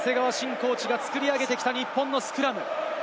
コーチが作り上げてきた日本のスクラム。